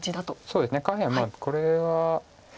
そうですね下辺これは。